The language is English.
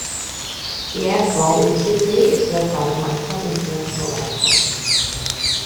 The air flight in the city is served by the Mactan International Airport.